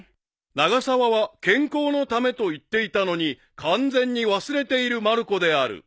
［永沢は健康のためと言っていたのに完全に忘れているまる子である］